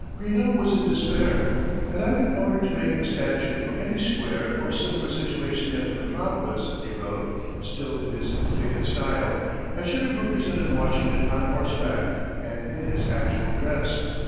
Greenough was in despair. "Had I been ordered to make a statue for any square or similar situation at the metropolis," he wrote, still in his inflated style, "I should have represented Washington on horseback and in his actual dress.